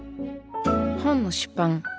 本の出版